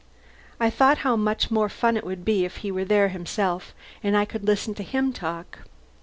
I thought how much more fun it would be if he were there himself and I could listen to him talk.